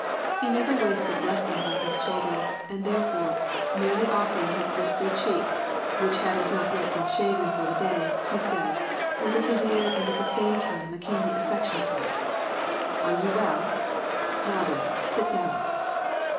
He never wasted blessings on his children, and there fore, merely offering his bristly cheek, which had not as yet been shaven for the day, he said, with a severe and at the same time keenly affectionate look, — "Are you well ?— Now then, sit down."